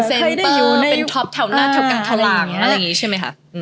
ใครจะไม่อยู่ในท็อปแถวหน้าแถวกับทะลางอะไรอย่างนี้ใช่มั้ยคะ